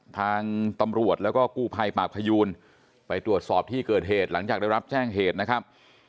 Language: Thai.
ทางตำรวจแล้วก็กู้ภัยปากพยูนไปตรวจสอบที่เกิดเหตุหลังจากได้รับแจ้งเหตุนะครับ